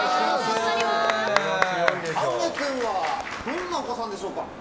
あんげ君はどんなお子さんでしょうか？